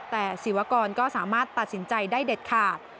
แต่ศิวากรก็สามารถตัดสินใจได้เด็ดขาด